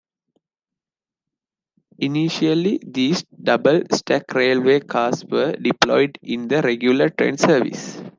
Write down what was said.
Initially, these double-stack railway cars were deployed in regular train service.